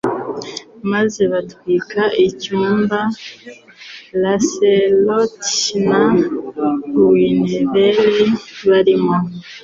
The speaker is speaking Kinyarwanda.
maze batwika icyumba Lancelot na Guinevere barimo